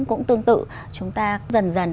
cũng tương tự chúng ta dần dần